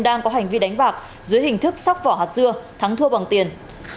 đang có hành vi đánh bạc dưới hình thức sóc vỏ hạt dưa thắng thua bằng tiền